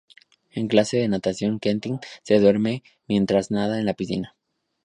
En clase de natación Quentin se duerme mientras nada en la piscina.